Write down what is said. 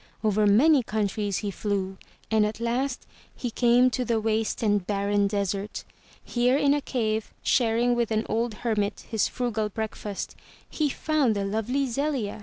Over many countries he flew, and at last he came to the waste and barren desert. Here in a cave, sharing with an old hermit his frugal breakfast, he found the lovely Zelia.